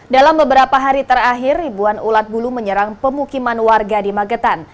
dalam beberapa hari terakhir ribuan ulat bulu menyerang pemukiman warga di magetan